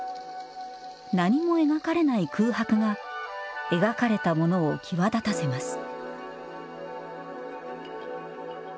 何も描かれない空白が描かれたものを際立たせます